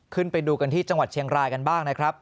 ขึ้นไปดูกันที่จังหวัดเชียงรายกันบ้างนะครับ